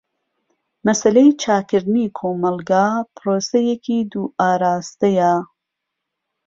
مەسەلەی چاکردنی کۆمەلگا پرۆسەیەکی دوو ئاراستەیە.